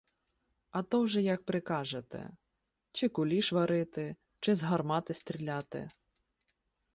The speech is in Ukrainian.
— А то вже як прикажете: чи куліш варити, чи з гармати стріляти.